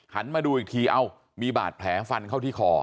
มาดูอีกทีเอ้ามีบาดแผลฟันเข้าที่คอ